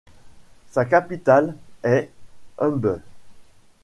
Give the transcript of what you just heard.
Sa capitale est Yumbe.